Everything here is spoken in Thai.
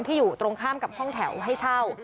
อยู่ตรงข้ามกับห้องแถวให้เช่า